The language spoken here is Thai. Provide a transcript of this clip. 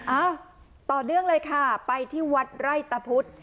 อ้าวต่อเนื่องเลยค่ะไปที่วัดไร่ตะพุทธ